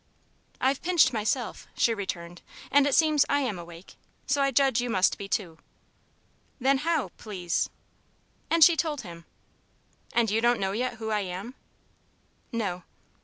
"I've pinched myself," she returned, "and it seems I am awake. So I judge you must be, too." "Then how, please ?" And she told him. "And you don't know yet who I am?" "No."